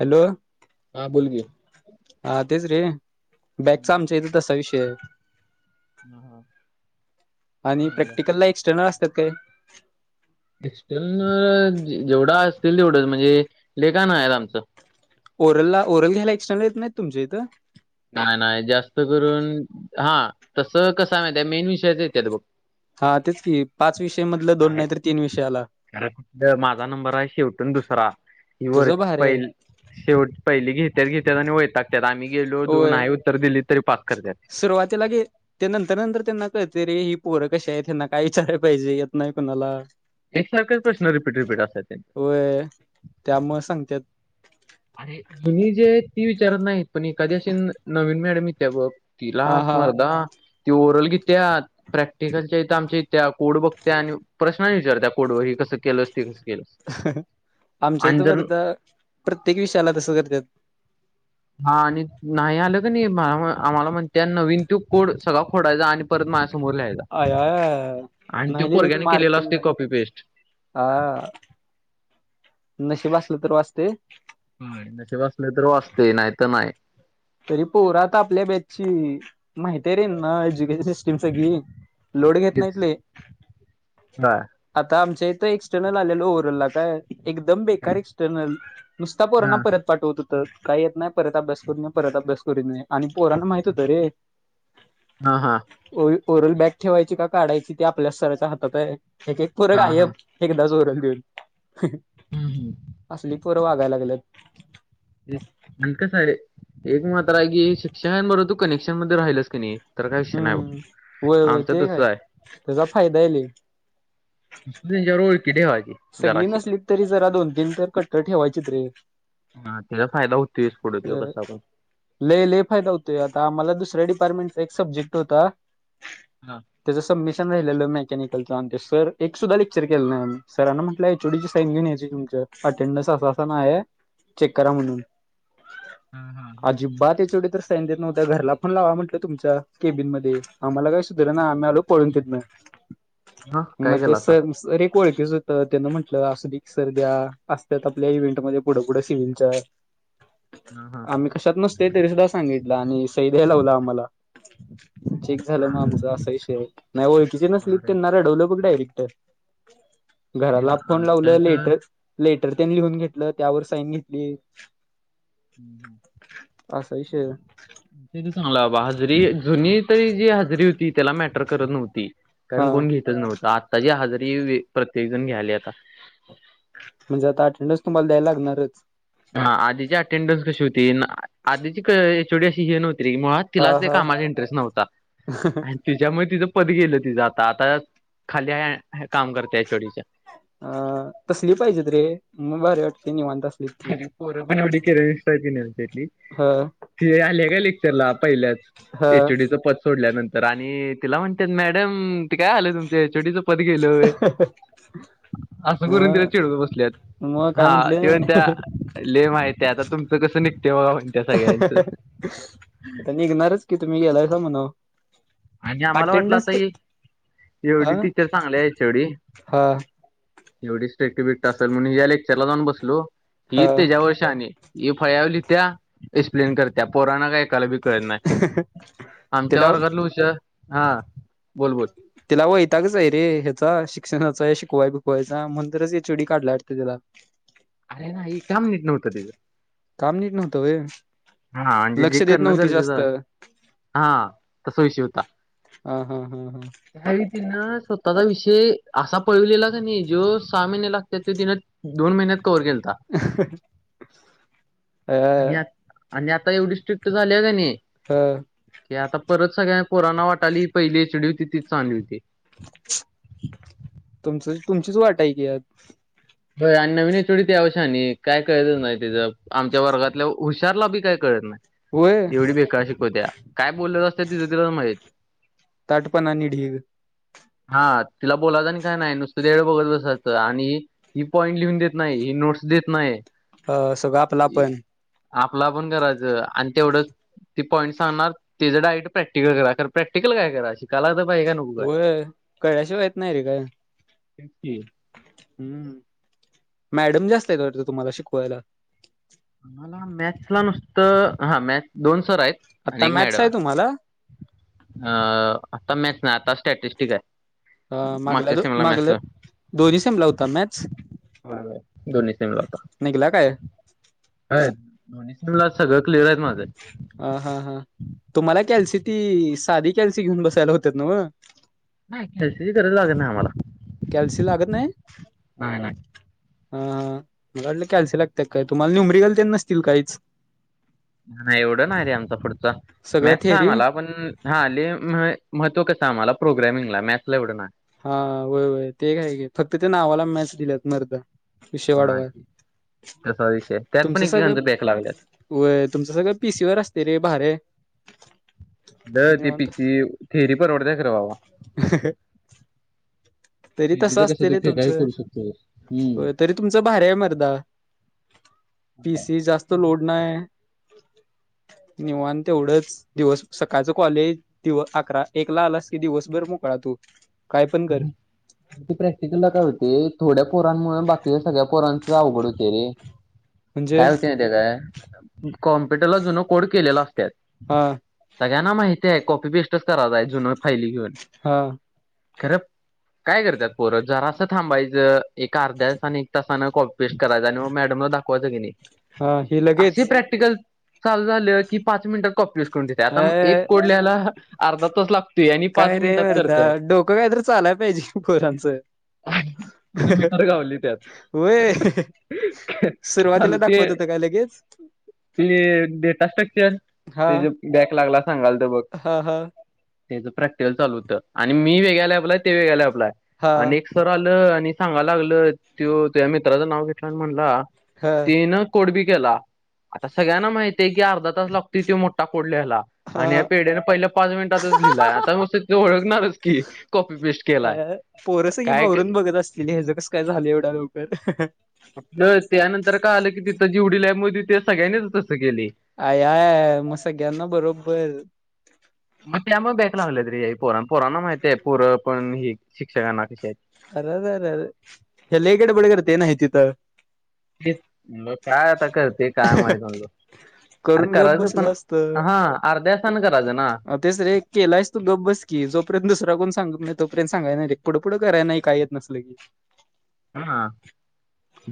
Hello. हा बोलकी. हा तेच रे, बॅकचा हम्म आमच्या इथे तसा विषय हाय. हा हा आणि चांगलं. प्रॅक्टिकलला एक्स्टर्नल असत्यात काय? एक्स्टर्नल जेवढं असतील तेवढेच म्हणजे लय काय नाहीत आमचं. ओरलला ओरल घ्यायला एक्स्टर्नल येत नाहीत तुमच्या इथं? नाही नाही जास्त करून हा तसं कसं हाय माहिती आहे मेन विषयाचं येत्यात बघ. हां तेच की. पाच विषय मधलं दोन काय नाही तर तीन विषय आला करेक्ट माझा नंबर हाय शेवटून दुसरा. तुझं [unintelligible] भारी आहे पहिल शेवट पहिली घेत्यात घेत्यात आणि वैतागत्यात, आम्ही गेलो दो होय नाय उत्तर दिली तरी पास करत्यात. सुरुवातीला घे ते नंतर नंतर त्यांना कळतंय रे, ही पोरं कशी आहेत, यांना काय विचाराय पाहिजे, येत नाही कुणाला. एकसारखंच प्रशन रिपीट रिपीट असत्यात ते. व्हय, त्यामुळं सांगतात. अरे जुनी जे आहेत ती विचारत नाहीत, पण एखादी अशी नवीन मॅडम यीत्या बघ तिला हा हा मर्दा ती ओरल घीत्यात. प्रॅक्टिकलच्या इथं आमच्या यीत्या, कोड बघ त्या आणि प्रश्न आणि विचारत्या कोडवर हे कसं केलंस, ते कसं केलंस? आमच्या इथ आणि जर मर्दा प्रत्येक विषयाला तसं करतात. हा आणि नाही आलं कणी नाही आम्हाला म्हणत नवीन तो कोड सगळा खोडायचा आणि परत माझ्या समोर लिहायचा आय आय आय आणि तो नाही लिहिला की पोरग्याने मार्क केलेला असते चंद कॉपी पेस्ट हा नशीब असलं तर वाचतय. होय तसं वाचलं तर वाचतय नाहीतर नाय तरी पोर आपल्या बॅचची माहिती रे यांना एज्युकेशन सिस्टीम सगळी लोड घेत नाहीत तेच लई हा आता आमच्या इथं एक्स चॅनेल आलेल ओरला काय एकदम हा बेकार एक्स चॅनेल नुसता पोरांना परत पाठवत होत काही येत नाही परत अभ्यास होत नाय परत अभ्यास करू नये आणि पोरांना माहित होतं रे हा हा. ओवी कोरल बॅक ठेवायची का काढायची ते आपल्या सराच्या हातात आहे एक एक पोर गायब हा एकदाच ओरल देऊन.... ह ह.... असली पोरं वागायला लागल्यात हे कस रे एक मात्र आहे की शिक्षा बरोबर तू कनेक्शन मध्ये राहिल्यास कानी तर काय विषय नाय बघ हम्म होय होय आमचा ते तस काय आहे. त्याचा फायदा आहे लय डेंजर ओळखी ठेवायची. सगळी जराशी नसलीत तरी जरा दोन तीन तर कट्टर ठेवायचीत रे हा त्याचा फायदाच होतोय कसा पण लय लय फायदा होतोय आता आम्हाला दुसऱ्या डिपार्टमेंटचा एक सब्जेक्ट होता. ना... त्याच सबमिशन राहिलेलं मेकॅनिकलचं आणि ते सर एक सुधा लेक्चर केलं नाही आम्ही सरांना म्हटलं एचडी ची साइन घेन यायची तुमचं अटेंडन्स असं असं नाय आहे. चेक करा म्हणून हा हा हा. अजिबात एचडी तर साईन देत नव्हते घरला फोन लावा म्हटलं तुमच्या केबिन मध्ये आम्हाला काय सुधरना आम्ही आलो पळून तिथंन [inaudible] काय म्हणतो केलासा? सर सर एक ओळखीच तर त्यांना म्हटलं अस सर उद्या असतात आपल्या इव्हेंटमध्ये पुढे पुढे सीओच्या [inaudible] हा आम्ही कशात नसतोय तरी सुद्धा सांगितलं आणि सई द्यायला आम्हाला ची झालं मग आमचा असा विषय आहे नाय ओखीचे नसली बर त्यांना रढवलं बक डायरेक्ट घराला फोन आमच्या लावलं इथं लेटर लेटर तेन लिहून घेतलं त्यावर साईन घेतली. असा विषय [inaudible] त्याचं चांगला बाबा हजरी जुनीतरी हजरी होती त्याला मॅ तर करत नव्हती हा कारण कोण घेतच नव्हतं आत्ता ची आजारी प्रत्येक जण घ्याले आता म्हणजे आता अटेंडन्स तुम्हाला द्यायला लागणारच हा आधीची अटेंडन्स कशी होती आधीची एचडी अशी हे नव्हती रे मुळात हा तिलाच ते हा कामात इंटरेस्ट नव्हता आन तिच्यामुळे तिचं पद गेलं तिचं आता आता खाली काम करते एचडी अ तसली पाहिजे रे मग भारी वाटतय निवांता अस अर पोरं पण एवढी किरक असतात ह ती आली काय पहिल्याच लेक्चरला ह एचडीच पद सोडल्यानंतर आणि तिला म्हणतात. मॅडम ते काय आलं तुमच्या एचडी पद गेलंय होय असं करून तिला मग चिडवत बसल्यात, मग काय हा म्हंटले तेव्हा लय माहिती हाय, आता तुमचं कसं निघतय बघा म्हणत्या सगळ्यांचं. आता निघणारच की, तुम्ही गेलायसा म्हणाव. आणि आम्हाला वाटलं अटेंडन्स आता ही एवढी हा टीचर चांगली हाय याच्या एवढी. हा एवढीच स्ट्रिक्टबिक्ट असंल, म्हणून हिज्या लेक्चरला जाऊन बसलो. हा ही त्याच्यावर शाणी. ही फळ्यावर लिहित्या, एक्सप्लेन करत्या. पोरांना काय ऐकायलाबी कळत नाही. आमच्या त्याला वर्गातलं हुशार हा बोल बोल. तिला वैतागच आहे रे ह्याचा शिक्षणाचा हे शिकवाय बिकवायचा. म्हणून तरच एचओडी काढलाय वाटतं तिला. अरे नाही काम नीट नव्हतं तिजं. काम नीट नव्हतं व्हय, हा म्हणजे जे लक्ष देत करणं नव्हती गरजेचं जास्त. आहे हा तस विषय होता. आ हां हां हां. [unintelligible] तीनं स्वतःचा विषय असा पळवलेला का नाही, जो सहा महिने लागत्यात तो तिनं दोन महिन्यात कव्हर केलता. [unintelligible] आणि अ यात आणि आता एवढी स्ट्रिक्ट झाल्या का नाही ह. की आता परत सगळ्यां पोरांना वाटायलंय ही पहिली एचडी होती तीच चांतली हुती. तुमचंच तुमचीच वाट आहे की यात. हो आणि नवीन एचओडी तिच्यावर शानी काय कळतच नाही तिचं. आमच्या वर्गातल्या हुशारलाबी काही कळत नाही. होय एवढी बेकार शिकवत्या, काय बोलत असत्या तिचं तिलाच माहीेत. ताठपणा आणि ढीग. हां तिला बोलायचं आणि काय नाही, नुसतं तिच्याकडं बघत बसायचं आणि ही पॉईंट लिहून देत नाही, ही नोट्स देत नाही. अ सगळं आपलं आपण आपला आपण करायचं आणि तेवढंच ती पॉईंट् सांगणार, त्याचं डायट प्रॅक्टिकल करा. खरं प्रॅक्टिकल काय करायची? कलाय तर पाहिजे का नको काय? होय कळल्याशिवाय येत नाही रे काय. [unintelligible] हम्म, मॅडम जास्त आहेत वाटतं तुम्हाला शिकवायला? आम्हाला मॅथ्सला नुसतं हा मॅथ्स हा दोन सर आहेत आणि आता एक मॅथ्स मॅडम आहे. तुम्हाला अ आता मॅथ्स नाय आता स्टॅटिस्टिक हाय. अ मागल्या दो मागल्या दोन्ही सेमला होता मॅथ्स? होय होय, दोन्ही सेमला होता. निघला काय? होय मॉन्स्टरला सगळं क्लिअर हायत माझं. आ हा हा तुम्हाला कॅल्सी ती साधी कॅल्सी घेऊन बसाय लावतात नव्ह? कॅल्सीची गरज लागत नाही आम्हाला. कॅल्सी लागत नाही? नाही नाही हा हा मला वाटलं कॅल्सी लागते का काय, तुम्हाला न्यूमरिकल ते नसतील काहीच? अरे एवढं नाही रे आमचा पुढचा सगळं मॅथ्स आहे थेरी आम्हाला पण हा ले महत्त्व कसं आम्हाला प्रोग्रॅमिंगला हाय मॅथ्सला एवढं नाय. हा व्हय व्हय, ते काय घे फक्त ते नावाला मॅथ्स दिल्यात मर्दा. विषय हा वाढवाय तसा विषय हाय, त्यात पण तुमचं सगळं ऐकेकांचं बॅक लागल्यात. व्हय, तुमचं सगळं पीसीवर असते रे, भारी आहे. द, निवांत तीपिची थेरी परवडते, खरं बाबा तरी तसं थेरीचं असत कसं तू रे काही तुमचं, करू शकतो हम्म व्हय तरी तुमचं भारी आहे मर्दा. पीसी जास्त लोड नाय, निवांत तेवढंच दिवस सकाळच कॉलेज, दिव अकरा एकला आलास कि दिवसभर मोकळा तू काय पण कर ते प्रॅक्टिकलला काय होते, थोड्या पोरांमुळे बाकीच्या सगळ्या पोरां [unintelligible] अवघड होते रे, म्हणजे काय होते माहिती काय? कॉम पण त्याला जुनं कोड केलेलं असत्यात हा सगळ्यांना माहिती आहे कॉपी पेस्टच कराय जायचो, जुनं फाईली घेऊन हा खरं, काय करत्यात पोरं, जरासं थांबायचं. एका अर्ध्या तासानी एक तासान कॉपी पेस्ट करायचा आणि मग मॅडमला दाखवायचं किनई हा हे अशी प्रॅक्ट लगेच प्रॅक्टिकलं चालू झालं, की पाच मिनटात कॉपी पेस्ट करू देते, आता अ एक कोड ल्याला अर्धा तास लाग काय रे, अर्धा डोकं काय तर चालाय पाहिजे पोरांचं. हं, हं, आता मी हं, तर गावली त्यात व्हय, हं, हं सुरुवातीला चालू ते दाखवत होत काय लगेच? ते डेटासट्रक्चर, हा ते, जे बॅक लागला सांगायला त बघ हा, हा त्याचं प्रॅक्टिकल चालू होतं आणि मी वेगळ्या लॅबला हाय, ते वेगळ्या लॅबला हाय हा आणि एक स आलं, आणि सांगयला लागलं, त्यो तुझ्या मित्राचं नाव घेतलं आणि म्हणला हा तिनं कोड बी केला, आता सगळ्यांना माहितय, की अर्धा तास लागतो त्यो मोठा कोड लीहायला. आणि हा ह्या पेढ्याने पहिल्या पाच मिनटातच लिहिला आता मस्त तो ओळखणारच आय, की कॉपी पेस्ट केलाय. आय, आय, पोरं सगळी काय बावरून बघत असतेली हयाज कसं काय झालं, एवढा लवकर कुठलं त्यानंतर कळालं की तिथं जेवडी लॅब मध्ये होती त्या सगळ्यांनीच तसं केलय. आय, आय, आय मग सगळ्यांना बरोबर हं [inaudible] मग त्यामुळे बॅक लागल्यात रे, पोर पोरांना माहितय पोर पण हे शिक्षकांना कशी आहेत. अर, अर, अर हे लय गडबड करत नाही तिथं हेच म काय आता करते काय माहित म्हणलं? अरे, करून गप करायचं पण, बसलं असतं हा अर्ध्या तासाने करायचं ना अ, तेच रे केलास त गप बस की, जोपर्यंत दुसरा कोण सांगत नाही, तोपर्यंत सांगायच नाही, पुढं, पुढं कराय नाही काही येत नसल की हा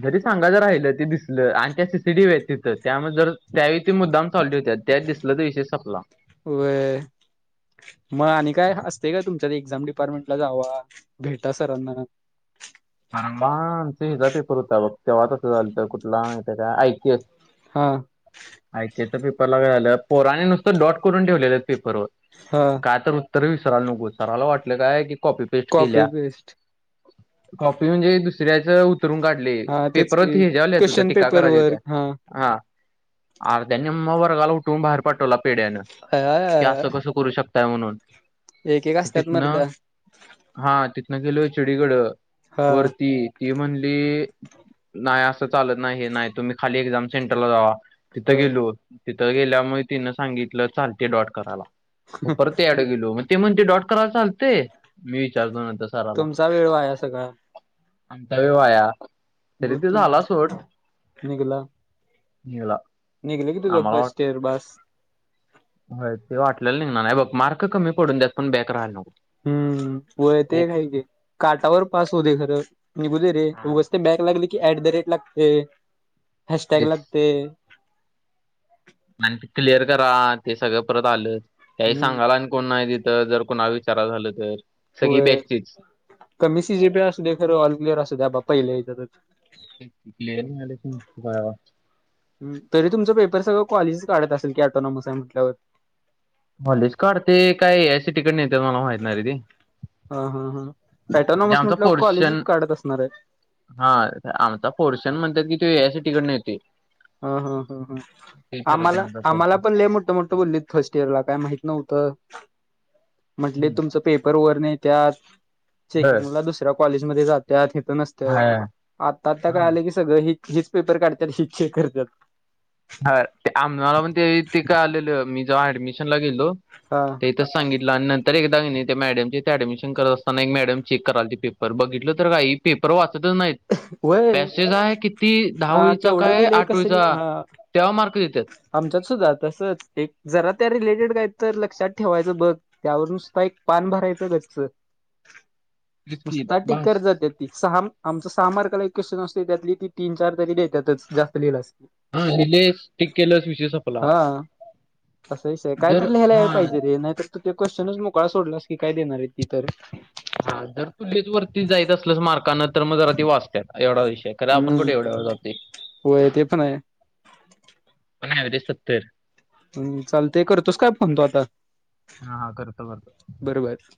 जरी सांगायच राहिलं, ते दिसलं आणि त्या सीसीटीव्ही आहेत तिथं, त्यामुळे जर त्यावेळी ते मुद्दाम थॉल्ट होत्यात त्यात दिसल त विषय संपला. व्हय म आणि काय असते काय तुमच्यात, एक्झाम डिपार्टमेंटला जावा, भेटा सरांना म आमचा हिचा पेपर होता बघ, तेव्हा तसं झालत, कुठला माहितय काय, ऐकयूएस हा एकयूएस च्या पेपरला काय झालं पोराने नुसतं डॉट करून ठेवलेलं पेपरवर हा काय तर उत्तर विसरायला नको सर्वांना वाटलं काय की कॉपी पेस्ट कॉपी केल्या पेस्ट. कॉपी म्हणजे दुसऱ्याचं उतरून काढलंय. हा तेच पेपर वरती की ह्याच्यावर लिहायचं होतं क्वेश्चन टीका पेपर करायच्या वर होत्या. हा हां आर त्या निम्मा वर्गाला उठ वून बाहेर पाठवला पेड्यानं, की अ असं कसं करू शकताय म्हणून. एक एक असतात तिथनं मर्दा हा तिथनं गेलो एचओडीकडं हा वरती. ती म्हणली, नाही असं चालत नाही हे नाही. तुम्ही खाली एक्झाम सेंटरला जावा. तिथं अ गेलो, तिथं गेल्यामुळे तिनं सांगितलं चालते डॉट कराला मग परत ते ला गेलो. मग ती म्हणते डॉट करायला चालतंय? मी विचारतो नंतर सराला. चा वेळ वाया सगळा. आमचा वेळ वाया, तरी बघ ते की झाला सोड निघला निवला. निघलं की तुझं फर्स्ट इयर बास. होय ते वाटलेलं निघणार नाही, हे बघ मार्क पडून देत पण बॅक राहाला नको. हम्म, व्हय ते तेच एक हाय की. काटावर पास होऊ दे खरं निघू दे रे उगच ते बॅक लागलं की, ऍट द रेट लागतंय. हॅश टॅग तेच लागतंय. आणि ते क्लिअर करा, ते सगळं परत आलं. काही हम्म सांगाला आणि कोण नाही तिथं, जर कोणा विचारा झालं तर. सगळी होय बॅचचीच कमी सी जे पी असू दे, खरं ऑल क्लियर असू द्या बाबा पहिल्या याच्यातच. [unintelligible] हं तरी तुमचं पेपर सगळं कॉलेजच काढत असंल की, पॅटॉनॉमस आहे म्हटल्यावर. कॉलेज काढतय काय एआयसीटी कडनं येत्यात मला माहित नाही रे ते. हा हा हा म्हणजे पॅटॉनॉमस आमचा म्हंटल्यावर कॉलेजच पोर्शन काढत असणार हाय. हा आमचा पोर्शन म्हणत्यात त्यो ए आय सी टी कडनं येतोय. ह ह ह हं आम्हाला आमचा आम्हाला पोर्शन पण लय मोठं मो ठं बोललीत फर्स्ट इयरला काय माहित नव्हतं. म्हंटले तुमचं पेपर वरनं येत्यात, बर चेकिंगला दुसऱ्या कॉलेजमध्ये जात्यात. इथं नस तर हा आता आता हा कळालं की, सगळं हेच हीच पेपर काढत्यात हीच चेक करत्यात. ह ते आम्हाला पण ते ते कळालेलं, मी जवा ऍडमिशनला गेलो हा. ते इथंच सांगितलं आणि नंतर एकदा का नाही त्या मॅडम तिथं ॲडमिशन करत असताना एक मॅडम चेक करालती पे पर बघितलं तर काय हे पेपर वाचतच नाहीत. व्हय पॅसेज आहे किती दहा हा वळीचा केवढं काय लिहिलंय आठ कसं लिह वळीचा, हा त्यावर मार्क देतात. आमच्यात सुद्धा तसंच, एक जरा त्या रिलेटेड काय तर लक्षात ठेवायचं बघ. त्यावरून सुद्धा एक पान भरायचं गच्च. [inaudible] नुसता टिक बास करत जात्यात ती. सहा आमचं सहा मार्काला एक क्वेशन असतंय त्यातली ती तीन चार तरी देत्यातच, जास्त लिहिलास की. हा लिहिलंय, टिक केलं, विषय संपला. हा असा विषय हाय, जर कायतर लिहियला याय हा पाहिजे रे नाहीतर तू ते क्वेशचनच मोकळा सोडलास, की काय देणार आहेत ती तर. हा जर तू लयच वरती जाईत असल्यास मार्कानं, तर मग जरा ती वाचतात एवढा विषय हाय. खरं आपण हम्म कुठं एवढ्यावर जातुय, होय ते पण आहे पण ॲवरेज सत्तर. हं चालतंय, करतोस काय फोन तू आता? हा हा करतो करतो. बर बर.